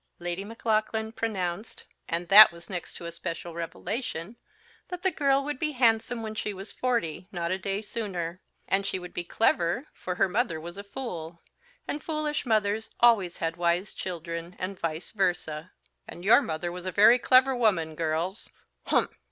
Lady Maclaughlan pronounced (and that was next to a special revelation) that the girl would be handsome when she was forty, not a day sooner; and she would be clever, for her mother was a fool; and foolish mothers had always wise children, and vice versa, "and your mother was a very clever woman, girls humph!"